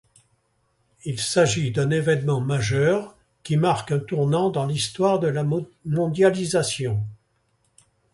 Il s'agit d'un événement majeur qui marque un tournant dans l'histoire de la mondialisation.